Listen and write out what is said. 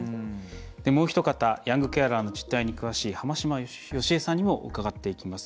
もうお一方ヤングケアラーの実態に詳しい濱島淑恵さんにも伺っていきます。